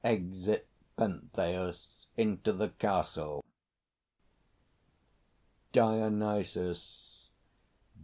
[Exit PENTHEUS into the Castle. DIONYSUS.